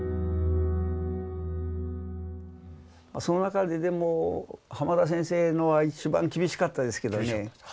その中ででも濱田先生のは一番厳しかったですけどね。